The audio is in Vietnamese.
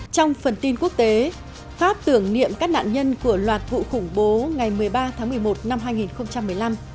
trong phần tin quốc tế pháp tưởng niệm các nạn nhân của loạt vụ khủng bố ngày một mươi ba tháng một mươi một năm hai nghìn một mươi năm